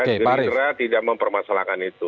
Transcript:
gerindra tidak mempermasalahkan itu